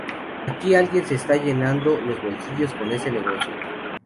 Aquí alguien se está llenando los bolsillos con ese negocio.